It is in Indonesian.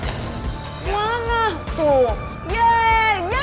tidak ada apa apa